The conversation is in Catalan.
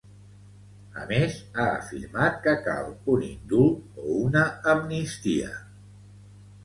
A més, ha afirmat que cal un indult o una amnistia.